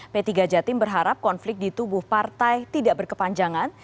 p tiga jatim berharap konflik di tubuh partai tidak berkepanjangan